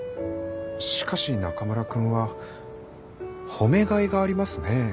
しかし中村くんは褒めがいがありますね。